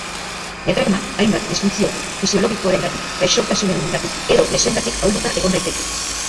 Diafragma hainbat disfuntzio fisiologikorengatik, gaixotasunengatik edo lesioengatik ahulduta egon daiteke.